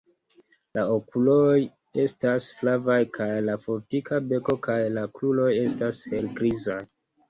La okuloj estas flavaj kaj la fortika beko kaj la kruroj estas helgrizaj.